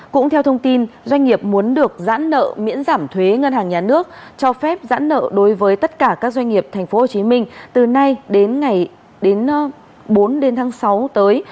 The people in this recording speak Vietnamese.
cũng theo thông tin doanh nghiệp muốn được giãn nợ miễn giảm thuế ngân hàng nhà nước cho phép giãn nợ đối với tất cả các doanh nghiệp tp hcm từ nay đến bốn tháng sáu tới